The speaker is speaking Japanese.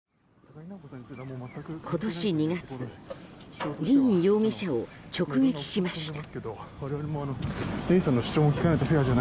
今年２月、凜容疑者を直撃しました。